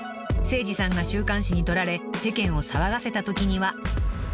［せいじさんが週刊誌に撮られ世間を騒がせたときには］